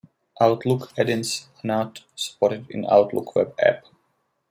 Outlook add-ins are not supported in Outlook Web App.